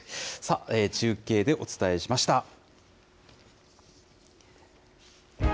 さあ、中継でお伝えしました。